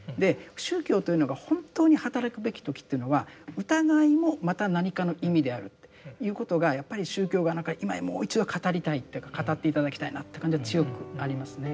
宗教というのが本当に働くべき時というのは疑いもまた何かの意味であるっていうことがやっぱり宗教が今もう一度語りたいっていうか語って頂きたいなって感じは強くありますね。